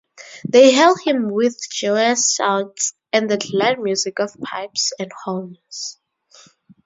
They hail him with joyous shouts and the glad music of pipes and horns.